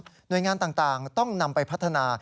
หน่วยงานต่างต้องนำไปพัฒนา